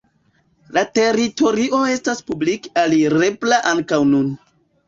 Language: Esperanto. La teritorio estas publike alirebla ankaŭ nun.